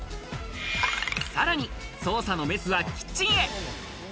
さらに捜査のメスはキッチンへ。